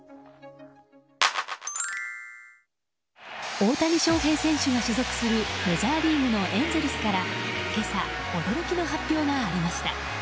大谷翔平選手が所属するメジャーリーグのエンゼルスから今朝、驚きの発表がありました。